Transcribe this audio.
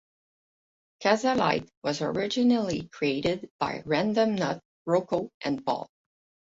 Kazaa Lite was originally created by Random Nut, Rocko, and Paul.